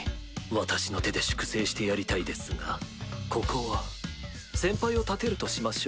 私の手で粛清してやりたいですがここは先輩を立てるとしましょう。